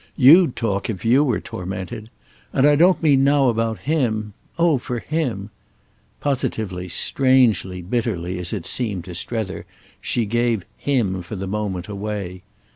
You'd talk if you were tormented. And I don't mean now about him. Oh for him—!" Positively, strangely, bitterly, as it seemed to Strether, she gave "him," for the moment, away.